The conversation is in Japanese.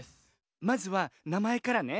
まずはなまえからね。